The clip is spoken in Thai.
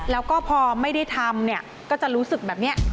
แล้วก็พอไม่ได้ทำเนี่ยก็จะรู้สึกแบบนี้